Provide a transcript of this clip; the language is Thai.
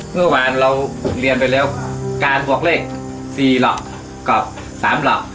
เมื่อวานเราเรียนไปแล้วการบวกเลข๔หลอกกับ๓หลอก